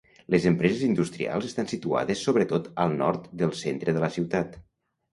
Les empreses industrials estan situades sobre tot al nord del centre de la ciutat.